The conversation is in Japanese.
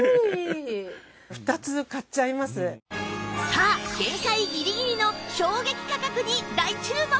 さあ限界ギリギリの衝撃価格に大注目です